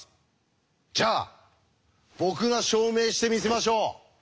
じゃあ僕が証明してみせましょう！